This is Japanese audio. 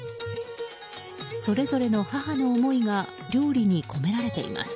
それぞれの母の思いが料理に込められています。